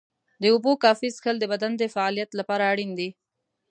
د اوبو کافي څښل د بدن د فعالیت لپاره اړین دي.